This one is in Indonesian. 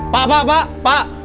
pak pak pak pak